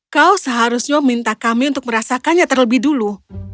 kau seharusnya minta kami untuk merasakannya terlebih dulu